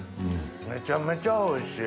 めちゃめちゃおいしい。